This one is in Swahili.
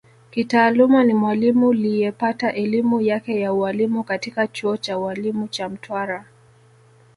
Kitaaluma ni Mwalimu liyepata elimu yake ya Ualimu katika chuo cha ualimu cha Mtwara